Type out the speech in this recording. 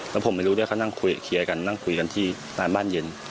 แล้วผมไม่รู้ด้วยเค้านั่งเคียกกันคุยกันที่ร้านบ้านเย็น